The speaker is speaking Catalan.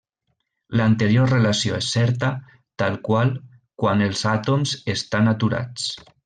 L'anterior relació és certa tal qual quan els àtoms estan aturats.